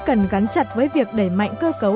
cần gắn chặt với việc để mạnh cơ cấu